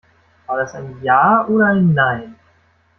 War das ein Ja oder ein Nein?